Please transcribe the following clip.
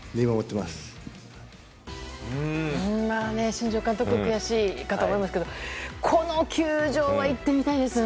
新庄監督悔しいかと思いますけどこの球場は行ってみたいですね。